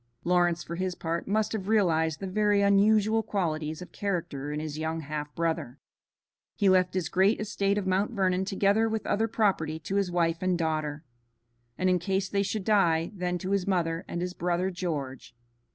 Lawrence for his part must have realized the very unusual qualities of character in his young half brother. He left his great estate of Mount Vernon together with other property to his wife and daughter, and in case they should die then to his mother and his brother George.